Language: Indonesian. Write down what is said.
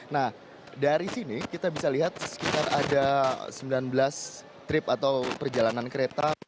nah dari sini kita bisa lihat sekitar ada sembilan belas trip atau perjalanan kereta